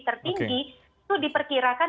tertinggi itu diperkirakan